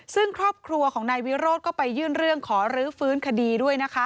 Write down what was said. ซึ่งครอบครัวของนายวิโรธก็ไปยื่นเรื่องขอรื้อฟื้นคดีด้วยนะคะ